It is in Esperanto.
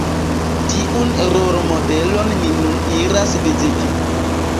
Tiun rolmodelon ni nun iras viziti.